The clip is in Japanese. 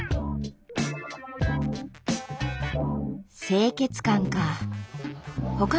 清潔感か。